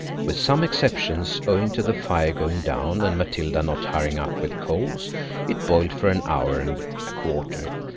With some exceptions–owing to the fire going down, and Matilda not hurrying up with coals–it boiled for an hour and a quarter.